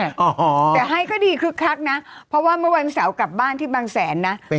แต่ให้ก็ดีคึกคักนะเพราะว่าเมื่อวันเสาร์กลับบ้านที่บางแสนนะ